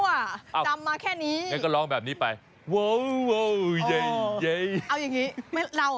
ไม่รู้อ่ะจำมาแค่นี้งั้นก็ร้องแบบนี้ไปเอาอย่างงี้เราอ่ะ